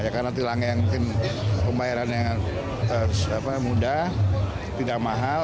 karena e tilang ini yang pembayaran yang mudah tidak mahal